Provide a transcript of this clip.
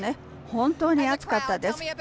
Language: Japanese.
本当に暑かったです。